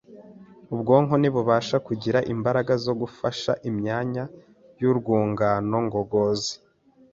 ubwonko ntibubasha kugira imbaraga zo gufasha imyanya y’urwungano ngogozi.